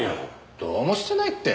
どうもしてないって。